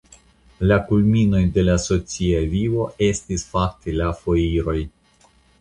La kulminoj de la socia vivo estis fakte la foiroj.